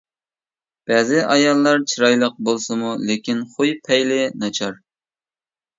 بەزى ئاياللار چىرايلىق بولسىمۇ لېكىن خۇي-پەيلى ناچار.